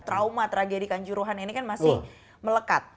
trauma tragedi kanjuruhan ini kan masih melekat